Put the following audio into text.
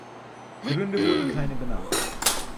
Gründe wurden keine benannt.